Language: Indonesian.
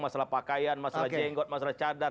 masalah pakaian masalah jenggot masalah cadar